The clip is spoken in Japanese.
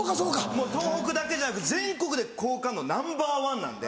もう東北だけじゃなく全国で好感度ナンバーワンなんで。